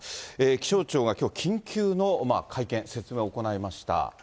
気象庁がきょう、緊急の会見、説明を行いました。